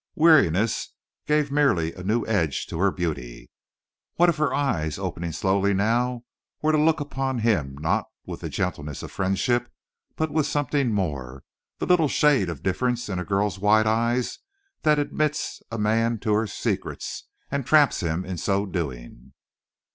Weariness gave merely a new edge to her beauty. What if her eyes, opening slowly now, were to look upon him not with the gentleness of friendship, but with something more the little shade of difference in a girl's wide eyes that admits a man to her secrets and traps him in so doing.